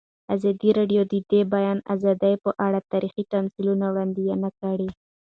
ازادي راډیو د د بیان آزادي په اړه تاریخي تمثیلونه وړاندې کړي.